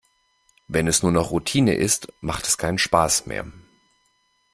Wenn es nur noch Routine ist, macht es keinen Spaß mehr.